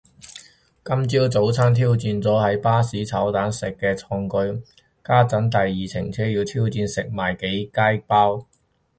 今朝早餐挑戰咗喺巴士炒蛋食嘅創舉，家陣第二程車要挑戰食埋幾楷包